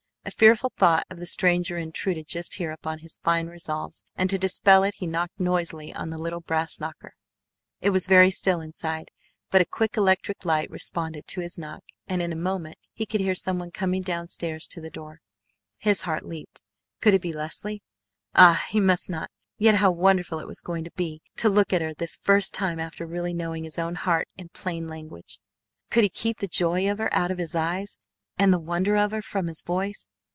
A fearful thought of the stranger intruded just here upon his fine resolves, and to dispel it he knocked noisily on the little brass knocker. It was very still inside, but a quick electric light responded to his knock and in a moment he could hear someone coming down stairs to the door. His heart leaped. Could it be Leslie? Ah! He must not yet how wonderful it was going to be to look at her this first time after really knowing his own heart in plain language. Could he keep the joy of her out of his eyes, and the wonder of her from his voice?